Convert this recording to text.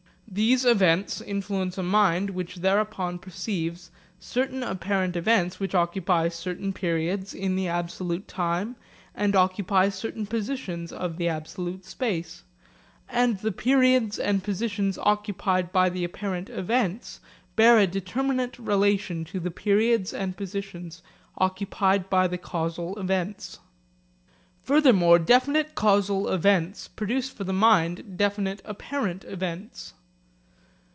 These events influence a mind which thereupon perceives certain apparent events which occupy certain periods in the absolute time and occupy certain positions of the absolute space; and the periods and positions occupied by the apparent events bear a determinate relation to the periods and positions occupied by the causal events. Furthermore definite causal events produce for the mind definite apparent events.